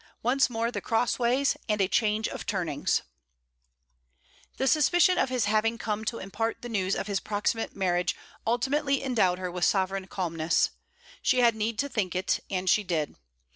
ONCE MORE THE CROSSWAYS AND A CHANGE OF TURNINGS The suspicion of his having come to impart the news of his proximate marriage ultimately endowed her with sovereign calmness. She had need to think it, and she did.